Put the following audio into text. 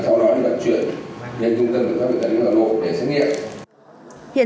và sau đó đặt chuyển đến trung tâm kiểm soát bệnh tật hà nội để xét nghiệm